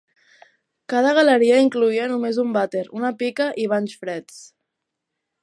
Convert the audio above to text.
Cada galeria incloïa només un vàter, una pica i banys freds.